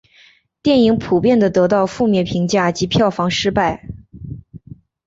电影普遍地得到负面评价及票房失败。